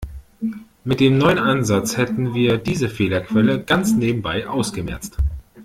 Mit dem neuen Ansatz hätten wir diese Fehlerquelle ganz nebenbei ausgemerzt.